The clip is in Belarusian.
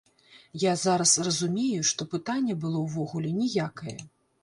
Я зараз разумею, што пытанне было ўвогуле ніякае.